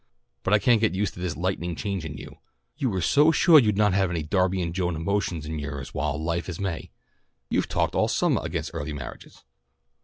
"But I can't get used to this lightning change in you. You were so suah you'd not have any Darby and Joan emotions in yours while 'Life is May.' You've talked all summah against early marriages."